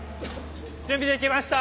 準備できました。